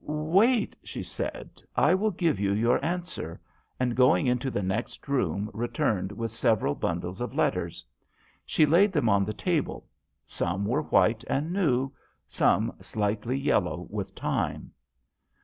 "Wait," she said ; "I will give you your answer," and going into the next room returned with several bundles of letters. She laid them on the table ; some were white and new, some slightly yellow with time.